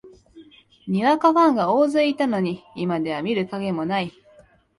にわかファンが大勢いたのに、今では見る影もない